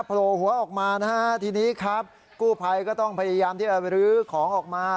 โผล่หัวออกมานะฮะทีนี้ครับกู้ภัยก็ต้องพยายามที่จะรื้อของออกมา